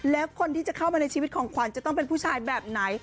แล้วคนที่จะเข้ามาในชีวิตของขวัญจะต้องเป็นผู้ชายแบบไหน